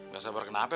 gak sabar kenapa pak